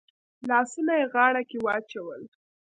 لاسونه يې غاړه کې واچول.